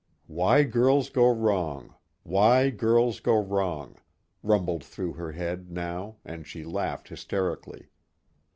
"Why girls go wrong ... why girls go wrong," rumbled through her head now and she laughed hysterically.